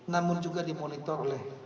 namun juga dimonitor oleh